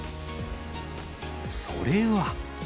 それは。